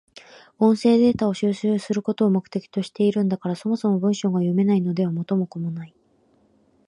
音声データを収集することを目的としているんだから、そもそも文章が読めないのでは元も子もない。